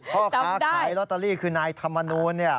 พ่อค้าขายลอตเตอรี่คือนายธรรมนูล